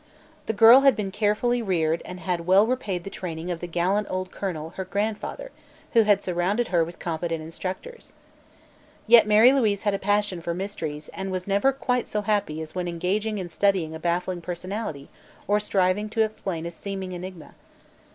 The girl had been carefully reared and had well repaid the training of the gallant old colonel, her grandfather, who had surrounded her with competent instructors. Yet Mary Louise had a passion for mysteries and was never quite so happy as when engaged in studying a baffling personality or striving to explain a seeming enigma.